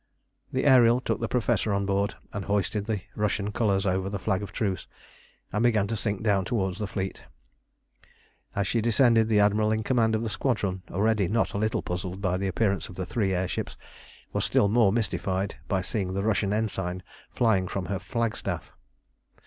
The Ariel took the Professor on board, and hoisted the Russian colours over the flag of truce, and began to sink down towards the fleet. As she descended, the Admiral in command of the squadron, already not a little puzzled by the appearance of the three air ships, was still more mystified by seeing the Russian ensign flying from her flagstaff.